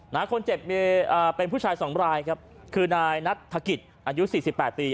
คนเจ็บมีอ่าเป็นผู้ชายสองรายครับคือนายนัทธกิจอายุสี่สิบแปดปี